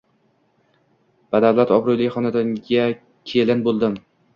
Badavlat, obro`li xonadonga kelin bo`ldim